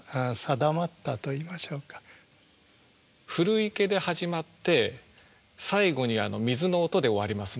「古池」で始まって最後に「水のをと」で終わりますね。